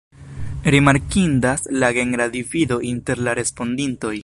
Rimarkindas la genra divido inter la respondintoj.